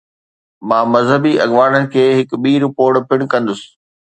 مان مذهبي اڳواڻن کي هڪ ٻي رپورٽ پڻ ڪندس.